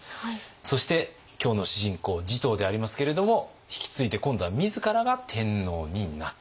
そして今日の主人公持統でありますけれども引き継いで今度は自らが天皇になった。